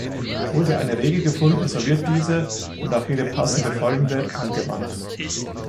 Wurde eine Regel gefunden, so wird diese, und auch jede passende folgende, angewandt.